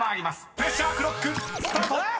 プレッシャークロックスタート！］